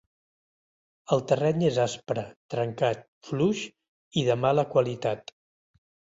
El terreny és aspre, trencat, fluix i de mala qualitat.